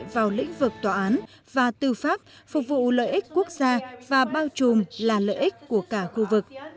vào lĩnh vực tòa án và tư pháp phục vụ lợi ích quốc gia và bao trùm là lợi ích của cả khu vực